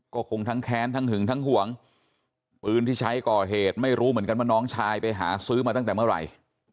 ก็คงทั้งแค้นทั้งหึงทั้งห่วงปืนที่ใช้ก่อเหตุไม่รู้เหมือนกันว่าน้องชายไปหาซื้อมาตั้งแต่เมื่อไหร่